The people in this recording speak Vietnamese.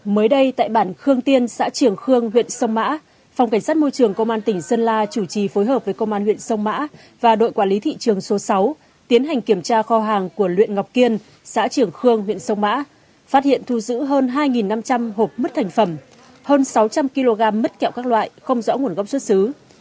mới đây tại bản khương tiên xã triềng khương huyện sông mã phòng cảnh sát môi trường công an tỉnh sơn la chủ trì phối hợp với công an huyện sông mã và đội quản lý thị trường số sáu tiến hành kiểm tra kho hàng của luyện ngọc kiên xã trường khương huyện sông mã phát hiện thu giữ hơn hai năm trăm linh hộp mứt thành phẩm hơn sáu trăm linh kg mứt kẹo các loại không rõ nguồn gốc xuất xứ